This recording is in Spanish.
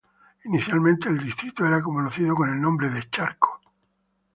Inicialmente el distrito era conocido con el nombre de "Charco".